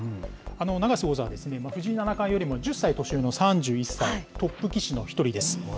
永瀬王座は、藤井七冠よりも１０歳年上の３１歳、トップ棋士の１人です。